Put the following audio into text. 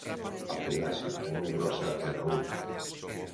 A pelaxe é moi grosa e laúda.